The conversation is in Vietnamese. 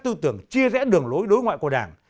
tư tưởng chia rẽ đường lối đối ngoại của đảng